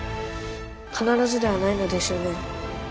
必ずではないのですよね。